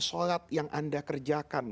sholat yang anda kerjakan